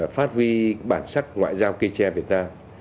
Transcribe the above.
phát huy bản sắc ngoại giao kê che việt nam